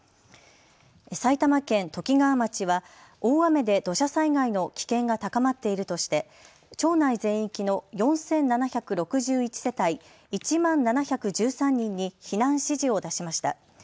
埼玉県ときがわ町は大雨で土砂災害の危険が高まっているとして町内全域の４７６１世帯１万７１３人に避難指示を出しました。